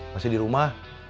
masih di rumah